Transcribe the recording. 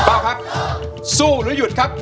คุณเป้าครับสู้หรือหยุดครับ